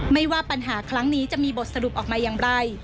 ว่าปัญหาครั้งนี้จะมีบทสรุปออกมาอย่างไร